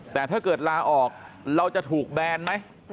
แต่ถ้าเกิดลาออกเราจะถูกแบนไหม